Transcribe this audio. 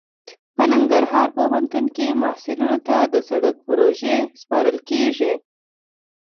په ننګرهار پوهنتون کې محصلینو ته د سرک پروژې سپارل کیږي